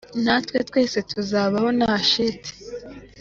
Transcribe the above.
natwe twese tuzabaho nta shiti.